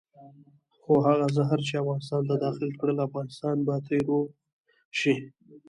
خو هغه زهر چې افغانستان ته داخل کړل افغانستان به ترې روغ شي.